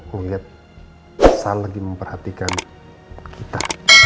ngeliat sal lagi memperhatikan kita